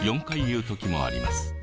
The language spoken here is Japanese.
４回言う時もあります。